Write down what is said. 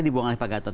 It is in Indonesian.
dibuang oleh pak gatot